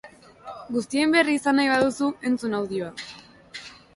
Guztien berri izan nahi baduzu, entzun audioa.